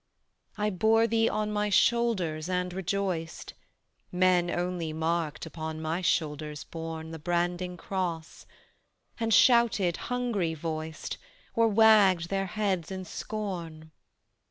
I bore thee on My shoulders and rejoiced: Men only marked upon My shoulders borne The branding cross; and shouted hungry voiced, Or wagged their heads in scorn.